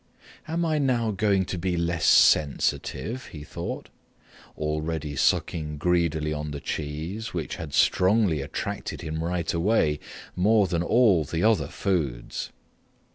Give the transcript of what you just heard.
"Am I now going to be less sensitive," he thought, already sucking greedily on the cheese, which had strongly attracted him right away, more than all the other foods.